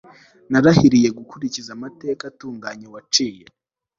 narahiriye gukurikiza amateka atunganye waciye